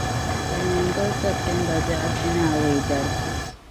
Silimiingoli September bɛɣu pinaawei dali.